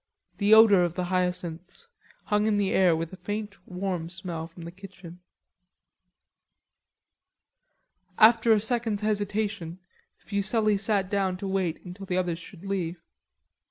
The odor of the hyacinths hung in the air with a faint warm smell from the kitchen. After a second's hesitation, Fuselli sat down to wait until the others should leave.